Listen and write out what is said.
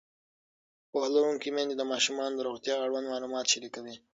پوهه لرونکې میندې د ماشومانو د روغتیا اړوند معلومات شریکوي.